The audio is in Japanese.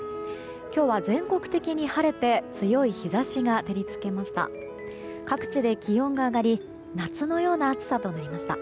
今日は全国的に晴れて強い日差しが照り付けました。